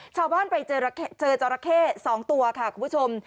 ชาวบ้านไปเจอจราเข้สองตัวค่ะคุณผู้ชม